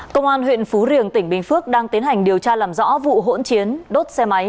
công an huyện phú riềng tỉnh bình phước đang tiến hành điều tra làm rõ vụ hỗn chiến đốt xe máy